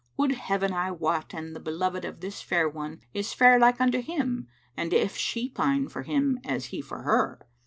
Would Heaven I wot an the beloved of this fair one is fair like unto him and if she pine for him as he for her!